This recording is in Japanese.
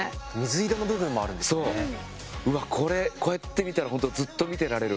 うわっこれこうやって見たら本当ずっと見てられる。